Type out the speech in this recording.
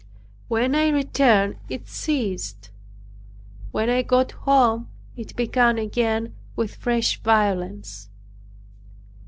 When I returned it ceased. When I got home it began again with fresh violence.